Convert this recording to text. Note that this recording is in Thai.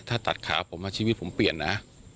ถ้าตัดขาผมชีวิตผมเปลี่ยนนะ